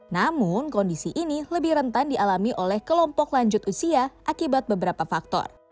namun kondisi ini lebih rentan dialami oleh kelompok lanjut usia akibat beberapa faktor